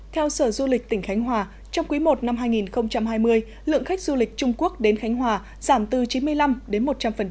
theo sở du lịch tỉnh khánh hòa trong quý i năm hai nghìn hai mươi lượng khách du lịch trung quốc đến khánh hòa giảm từ chín mươi năm đến một trăm linh